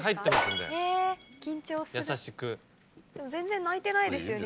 でも全然鳴いてないですよね。